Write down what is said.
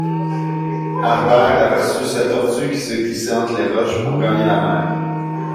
Harbert aperçut cette tortue qui se glissait entre les roches pour gagner la mer.